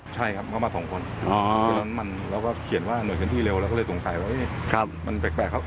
ใช่ครับเขามาสองคนเพราะฉะนั้นเราก็เขียนว่าหน่วยพื้นที่เร็วเราก็เลยสงสัยว่ามันแปลกครับ